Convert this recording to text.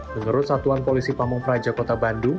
menurut satuan polisi pamung praja kota bandung